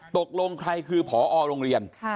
ตกลงใครคือพอโรงเรียน